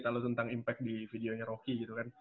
kalau tentang impact di videonya rocky gitu kan